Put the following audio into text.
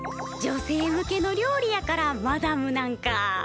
女性向けの料理やからマダムなんか。